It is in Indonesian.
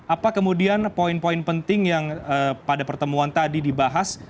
apa kemudian poin poin penting yang pada pertemuan tadi dibahas